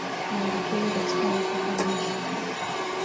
Maambukizi katika mifupa na mishipa